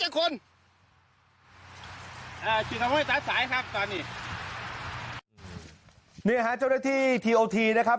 อ่าครับตอนนี้เนี้ยฮะเจ้าหน้าที่นะครับ